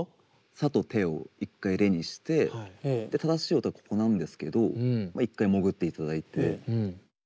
「さ」と「て」を１回レにして正しい音はここなんですけど１回潜っていただいて。